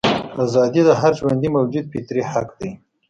ازادي د هر ژوندي موجود فطري حق دی.